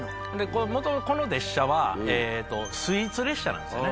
もともとこの列車はスイーツ列車なんですよね。